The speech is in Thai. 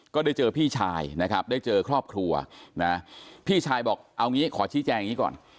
ก็ได้เจอพี่ชายนะครับได้เจอครอบครัวนะพี่ชายบอกเอางี้ขอชี้แจงอย่างนี้ก่อน